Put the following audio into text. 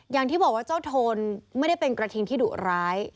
อย่างที่บอกว่าเจ้าโทนไม่ได้เป็นกระทิงที่ดุร้าย